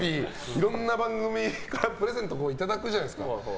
いろんな番組からプレゼントいただくじゃないですか。